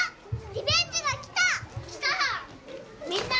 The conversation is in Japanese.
リベンジが来た！来た！